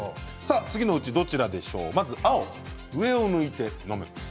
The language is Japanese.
次のうち、どちらでしょうか。